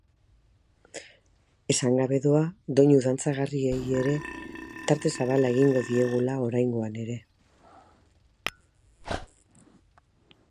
Esan gabe doa doinu dantzagarriei ere tarte zabala egingo diegula oraingoan ere.